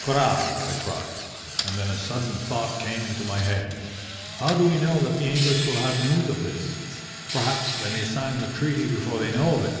"'Courage!' I cried; and then a sudden thought coming into my head 'How do we know that the English will have news of this? Perhaps they may sign the treaty before they know of it.'